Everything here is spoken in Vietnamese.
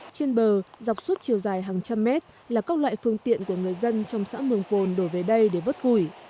trên bờ dọc suốt chiều dài hàng trăm mét là các loại phương tiện của người dân trong xã mường cồn đổ về đây để vất củi